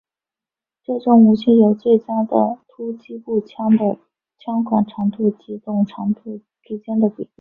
这种武器有最佳的突击步枪的枪管长度及总长度之间的比例。